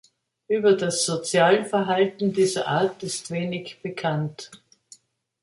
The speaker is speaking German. Über das Sozialverhalten dieser Art ist wenig bekannt.